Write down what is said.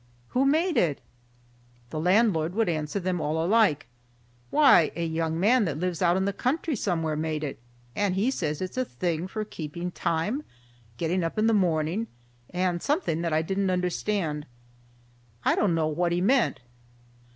Who made it?" The landlord would answer them all alike, "Why, a young man that lives out in the country somewhere made it, and he says it's a thing for keeping time, getting up in the morning, and something that I didn't understand. I don't know what he meant."